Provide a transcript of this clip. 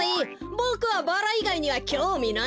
ボクはバラいがいにはきょうみないよ。